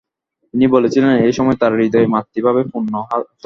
তিনি বলেছিলেন, এই সময় তার হৃদয় মাতৃভাবে পূর্ণ হত।